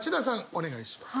お願いします。